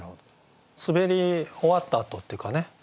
滑り終わった跡っていうかね